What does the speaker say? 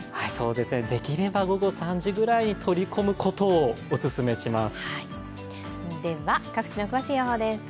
できれば午後３時ぐらいに取り込むことをおすすめします。